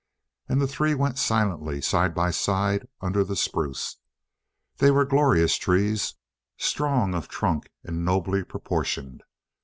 And the three went silently, side by side, under the spruce. They were glorious trees, strong of trunk and nobly proportioned.